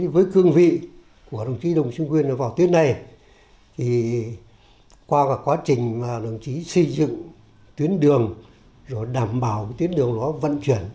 với cương vị của đồng sĩ đồng sĩ nguyên vào tuyến này qua quá trình đồng sĩ xây dựng tuyến đường đảm bảo tuyến đường vận chuyển